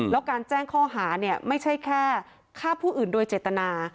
แล้วการแจ้งข้อหาเนี่ยไม่ใช่แค่ฆ่าผู้อื่นโดยเจตนา